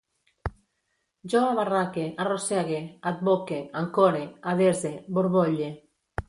Jo abarraque, arrossegue, advoque, ancore, adese, borbolle